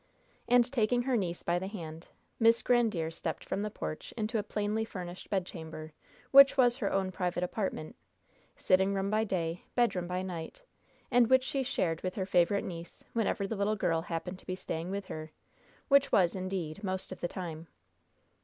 And taking her niece by the hand, Miss Grandiere stepped from the porch into a plainly furnished bedchamber, which was her own private apartment sitting room by day, bedroom by night and which she shared with her favorite niece whenever the little girl happened to be staying with her, which was, indeed, most of the time.